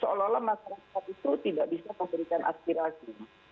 seolah olah masyarakat itu tidak bisa memberikan aspirasi